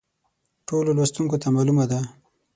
ټولو لوستونکو ته معلومه ده.